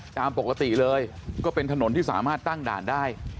ตามปกติเลยก็เป็นถนนที่สามารถตั้งด่านได้